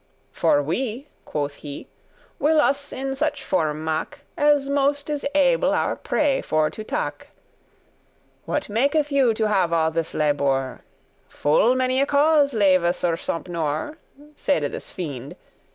"For we," quoth he, "will us in such form make. As most is able our prey for to take." "What maketh you to have all this labour?" "Full many a cause, leve Sir Sompnour," Saide this fiend.